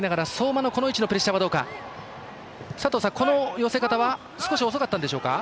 この寄せ方は少し遅かったんでしょうか？